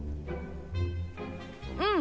うん！